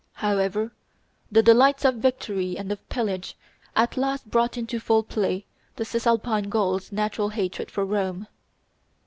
However, the delights of victory and of pillage at last brought into full play the Cisalpine Gauls' natural hatred of Rome.